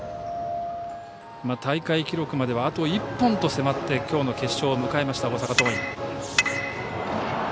大会記録まではあと１本と迫ってきょうの決勝を迎えました大阪桐蔭。